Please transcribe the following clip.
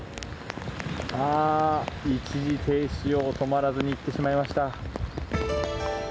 一時停止を止まらずに行ってしまいました。